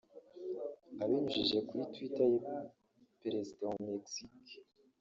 Abinyujije kuri Twittter ye Perezida wa Mexique